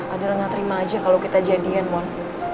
aduh gak terima aja kalo kita jadiin mohon